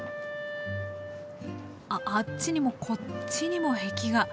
あっあっちにもこっちにも壁画。